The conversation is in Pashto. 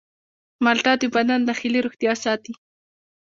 مالټه د بدن داخلي روغتیا ساتي.